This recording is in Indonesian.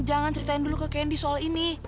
jangan ceritain dulu ke kendi soal ini